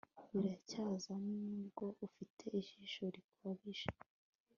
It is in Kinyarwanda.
Biracyaza nubwo ufite ijisho rikabije